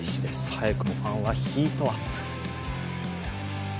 早くもファンはヒートアップ。